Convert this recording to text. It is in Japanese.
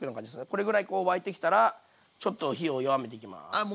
これぐらい沸いてきたらちょっと火を弱めていきます。